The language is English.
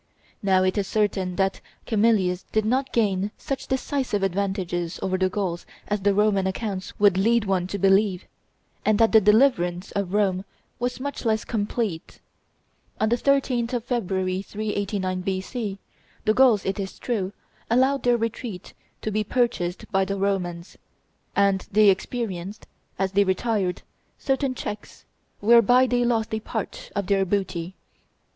Now, it is certain that Camillus did not gain such decisive advantages over the Gauls as the Roman accounts would lead one to believe, and that the deliverance of Rome was much less complete. On the 13th of February, 389 B.C., the Gauls, it is true, allowed their retreat to be purchased by the Romans; and they experienced, as they retired, certain checks, whereby they lost a part of their booty.